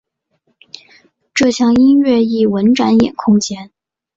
这墙音乐艺文展演空间。